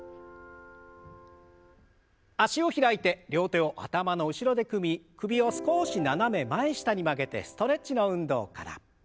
脚を開いて両手を頭の後ろで組み首を少し斜め前下に曲げてストレッチの運動から。